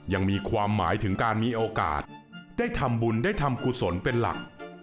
ยังมีความหมายถึงการมีโอกาสได้ทำบุญได้ทำกุศลเป็นหลัก